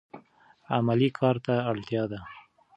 عملي کار ته اړتیا ده.